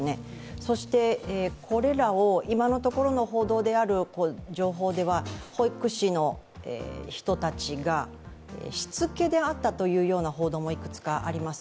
そしてこれらを、今のところの報道である情報では保育士の人たちがしつけであったという報道もいくつかあります。